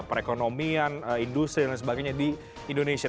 perekonomian industri dan sebagainya di indonesia